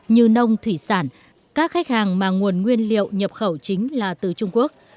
như nông thủy sản các khách hàng mà nguồn nguyên liệu nhập khẩu chính là từ trung quốc